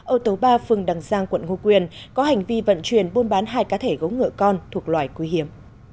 ở tấu ba phương đằng giang quận ngô quyền có hành vi vận chuyển buôn bán hai cá thể gấu ngựa con thuộc loại quý hiểm